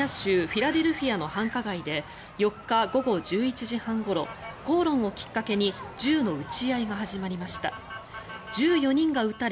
フィラデルフィアの繁華街で４日午後１１時半ごろ口論をきっかけに銃の撃ち合いが始まりました。